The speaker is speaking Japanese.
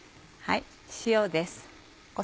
塩です。